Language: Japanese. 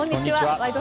「ワイド！